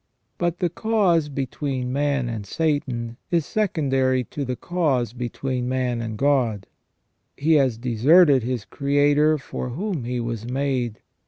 But the cause between man and Satan is secondary to the cause between man and God. He has deserted his Creator for whom he was made.